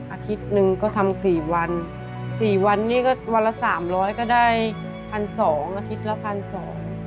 อาทิตย์หนึ่งก็ทำสี่วันสี่วันนี้ก็วันละสามร้อยก็ได้พันสองอาทิตย์ละพันสอง